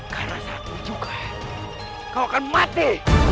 karena saat ini juga kau akan mati